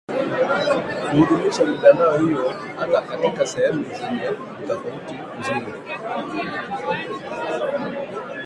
kudumisha mitandao hiyo Hata katika sehemu zenye ufuatiliaji mzuri